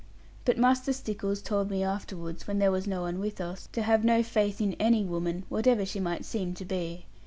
But Master Stickles told me afterwards, when there was no one with us, to have no faith in any woman, whatever she might seem to be.